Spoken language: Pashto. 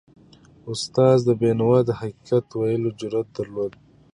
استاد بینوا د حقیقت ویلو جرأت درلود.